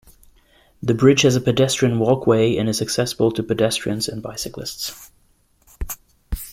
The bridge has a pedestrian walkway and is accessible to pedestrians and bicyclists.